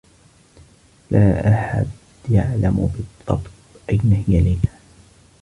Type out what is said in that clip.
لا أحد يعلم بالضّبط أين هي ليلى.